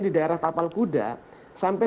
di daerah tapal kuda sampai